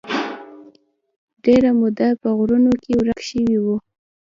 ډېره موده په غرونو کې ورک شوی و.